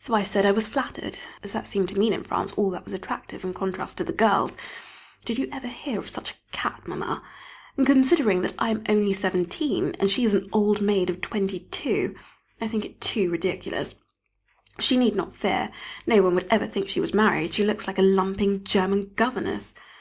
So I said I was flattered, as that seemed to mean in France all that was attractive in contrast to the girls. Did you ever hear of such a cat, Mamma? and considering that I am only seventeen, and she is an old maid of twenty two; I think it too ridiculous. She need not fear, no one would ever think she was married, she looks like a lumping German governess.